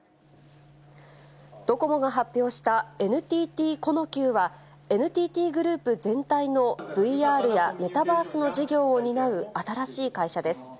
ドコモが発表したＮＴＴコノキューは、ＮＴＴグループ全体のＶＲやメタバースの事業を担う新しい会社です。